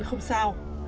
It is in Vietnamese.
tôi không sao